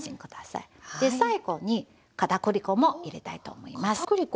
で最後に片栗粉も入れたいと思います。